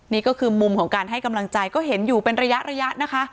นี่ก็คือมุมของการให้กำลังใจก็เห็นอยู่เป็นระยะระยะนะคะ